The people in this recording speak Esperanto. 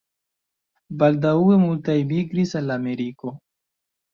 Baldaŭe multaj migris al Ameriko.